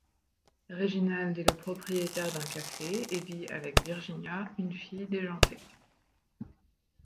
Réginald est le propriétaire d'un café et vit avec Virginia, une fille déjantée.